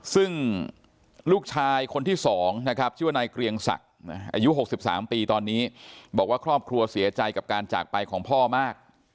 ซึ่งลูกชายคนที่๒นะครับชื่อว่านายเกรียงศักดิ์อายุ๖๓ปีตอนนี้บอกว่าครอบครัวเสียใจกับการจากไปของพ่อมาก